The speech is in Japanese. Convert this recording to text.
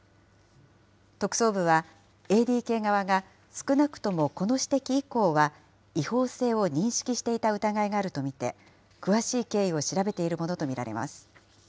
特捜部は、ＡＤＫ側が少なくともこの指摘以降は、違法性を認識していた疑いがあると見て、詳しい経緯を調べているものと見られます。